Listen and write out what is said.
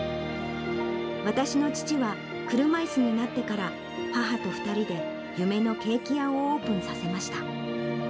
私の父は、車いすになってから、母と２人で夢のケーキ屋をオープンさせました。